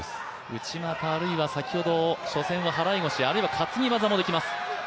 内股、あるいは初戦は払い腰あるいは担ぎ技もできます。